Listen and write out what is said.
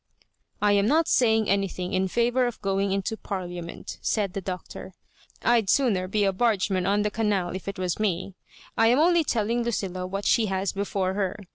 "I am not saying anything in favour of going into Parliament," said the Doctor. I'd sooner be a bargeman on the canal if it was ma I am only telling Lucilla what she has before her.